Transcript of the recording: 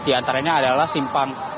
di antaranya adalah simpang